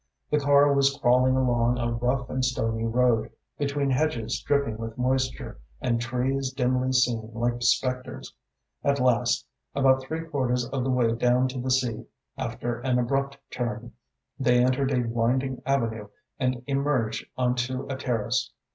The car was crawling along a rough and stony road, between hedges dripping with moisture and trees dimly seen like spectres. At last, about three quarters of the way down to the sea, after an abrupt turn, they entered a winding avenue and emerged on to a terrace.